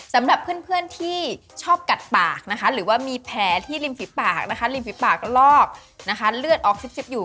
สำหรับเพื่อนที่ชอบกัดปากหรือว่ามีแผลที่ริมฝีปากรอบเลือดออกซิบอยู่